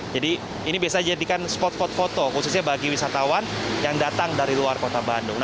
jadi ini bisa dijadikan spot spot foto khususnya bagi wisatawan yang datang dari luar kota bandung